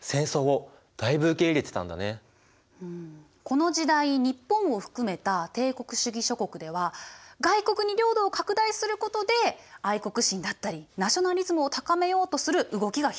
この時代日本を含めた帝国主義諸国では外国に領土を拡大することで愛国心だったりナショナリズムを高めようとする動きが広がっていったの。